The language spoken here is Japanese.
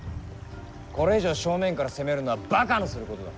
これ以上、正面から攻めるのはばかのすることだ。